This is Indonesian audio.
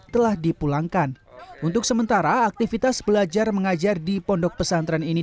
telah dipulangkan untuk sementara aktivitas belajar mengajar di pondok pesantren ini